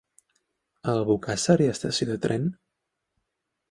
A Albocàsser hi ha estació de tren?